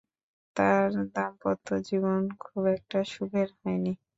তার দাম্পত্য জীবন খুব একটা সুখের হয়নি।